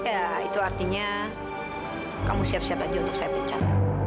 ya itu artinya kamu siap siap aja untuk saya bicara